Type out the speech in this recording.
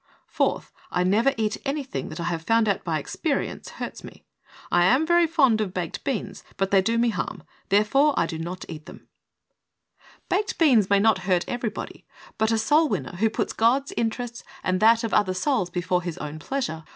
Fourth, I never eat anything that I have found out by experience hurts me. I am very fond of baked beans, but they do me harm, therefore, I do not eat them." Baked beans may not hurt everybody, but a soul winner who puts God's interests and that of other souls before his own pleasure, 78 THE soul winner's secret.